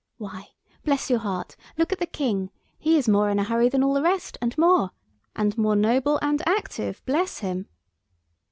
Why, bless your heart, look at the King, he is more in a hurry than all the rest, and more—and more noble and active, bless him."